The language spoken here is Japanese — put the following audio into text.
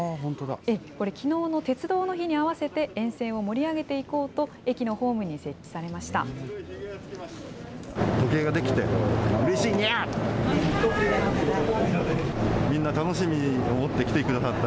これ、きのうの鉄道の日に合わせて、沿線を盛り上げていこうと、駅のホームに設置されました。